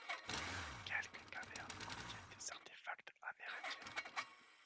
Quelques cavernes contiennent des artefacts amérindiens.